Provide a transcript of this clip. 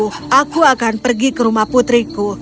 oh aku akan pergi ke rumah putriku